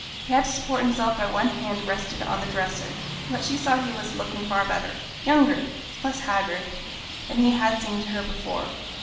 He had to support himself by one hand rested on the dresser, but she saw he was looking far better younger, less haggard than he had seemed to her before.